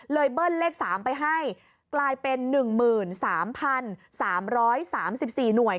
เบิ้ลเลข๓ไปให้กลายเป็น๑๓๓๔หน่วย